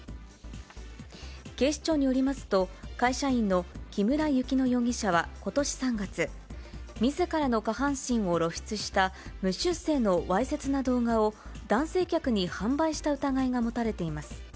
警視庁によりますと、会社員の木村雪乃容疑者はことし３月、みずからの下半身を露出した無修正のわいせつな動画を男性客に販売した疑いが持たれています。